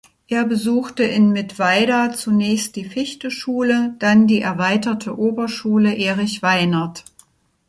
Er besuchte in Mittweida zunächst die Fichte-Schule, dann die Erweiterte Oberschule „Erich Weinert“.